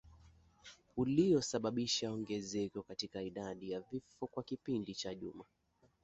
uliosababisha ongezeko katika idadi ya vifo kwa kipindi cha juma